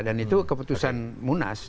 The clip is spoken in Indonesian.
dan itu keputusan munas